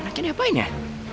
anaknya diapain ya